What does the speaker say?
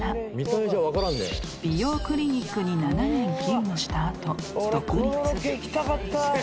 ［美容クリニックに７年勤務した後独立］